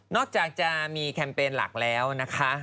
จากจะมีแคมเปญหลักแล้วนะคะ